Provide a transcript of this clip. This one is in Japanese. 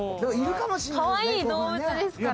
かわいい動物ですから。